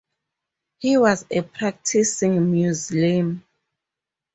He was a practicing Muslim.